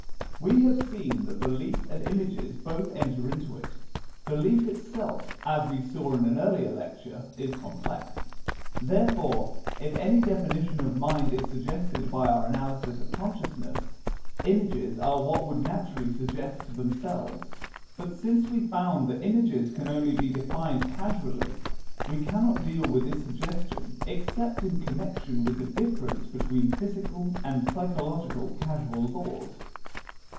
We have seen that belief and images both enter into it. Belief itself, as we saw in an earlier lecture, is complex. Therefore, if any definition of mind is suggested by our analysis of consciousness, images are what would naturally suggest themselves. But since we found that images can only be defined causally, we cannot deal with this suggestion, except in connection with the difference between physical and psychological causal laws.